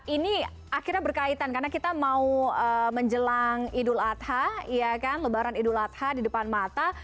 ini akhirnya berkaitan karena kita mau menjelang idul adha lebaran idul adha di depan mata